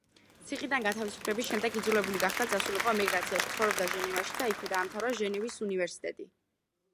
ციხიდან გათავისუფლების შემდეგ იძულებული გახდა წასულიყო ემიგრაციაში, ცხოვრობდა ჟენევაში და იქვე დაამთავრა ჟენევის უნივერსიტეტი.